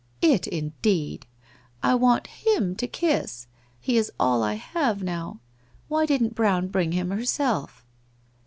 It indeed ! I want him to kiss. He is all I have now. Why didn't Brown bring him herself